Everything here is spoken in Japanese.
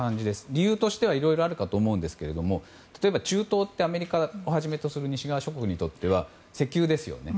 理由としてはいろいろあるかと思うんですが例えば中東ってアメリカをはじめとする西側諸国にとって石油ですよね。